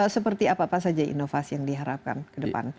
seperti apa apa saja inovasi yang diharapkan ke depan